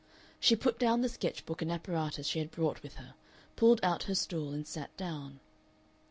She put down the sketch books and apparatus she had brought with her, pulled out her stool, and sat down.